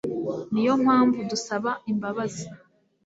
niyo mpamvu dusaba imbabazi